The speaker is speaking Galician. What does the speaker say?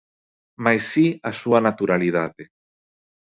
Mais si a súa naturalidade.